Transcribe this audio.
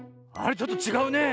ちょっとちがうねえ。